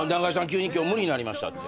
急に今日無理になりました」って？